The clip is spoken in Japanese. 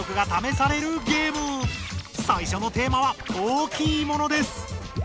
さいしょのテーマは「大きいもの」です！